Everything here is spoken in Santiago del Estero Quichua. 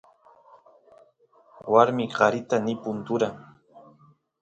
warmi qarita nipun tura